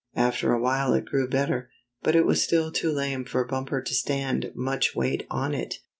After a while it grew better, but it was still too lame for Bumper to stand much weight on it.